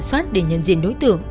một cuộc ra soát để nhận diện đối tượng